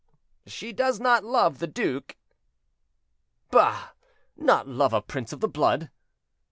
"She does not love the duke." "Bah! not love a prince of the blood."